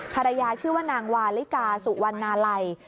ชื่อว่านางวาลิกาสุวรรณาลัย